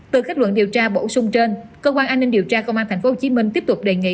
từ kết luận điều tra bổ sung trên cơ quan an ninh điều tra công an tp hcm tiếp tục đề nghị